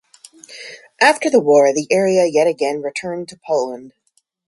After the war the area yet again returned to Poland.